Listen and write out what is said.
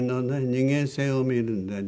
人間性を見るんでね。